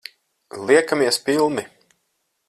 Liekamies pilni.